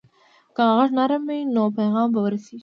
که غږ نرم وي، نو پیغام به ورسیږي.